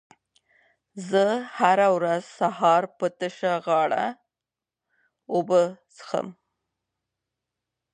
زه هره ورځ سهار په تشه غاړه اوبه څښم.